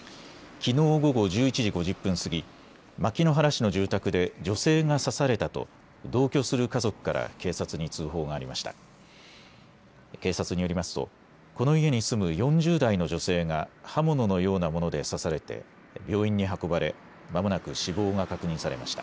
きのう午後１１時５０分過ぎ、牧之原市の住宅で女性が刺されたと同居する家族から警察に通報がありました。